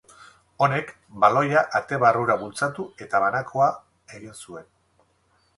Honek baloia ate barrura bultzatu eta banakoa egin zuen.